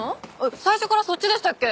最初からそっちでしたっけ？